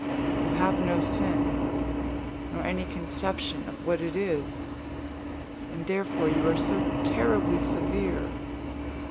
You have no sin, nor any conception of what it is; and therefore you are so terribly severe!